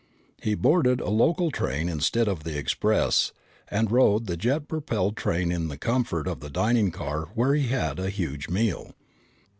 He boarded a local train instead of the express and rode the jet propelled train in the comfort of the dining car where he had a huge meal.